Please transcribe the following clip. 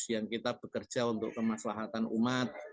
yang kita bekerja untuk kemaslahatan umat